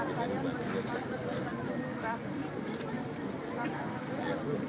karena rumah ini lupuk